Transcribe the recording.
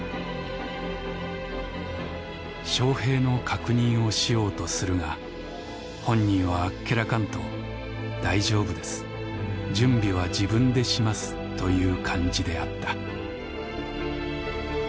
「翔平の確認をしようとするが本人はあっけらかんと『大丈夫です。準備は自分でします』という感じであった」。